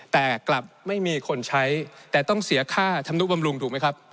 แต่กลับไม่มีคนใช้แต่ต้องเสียค่าธรรมนุบำรุงถูกไหมครับ